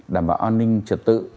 đảm bảo an ninh trật tự